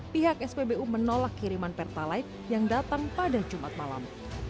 pihak spbu menolak kiriman pertalite yang datang pada jumat malam